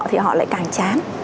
thì họ lại càng chán